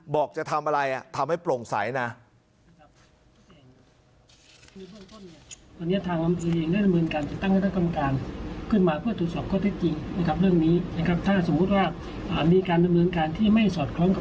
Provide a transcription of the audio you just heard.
บอกจะทำอะไรทำให้โปร่งใสนะ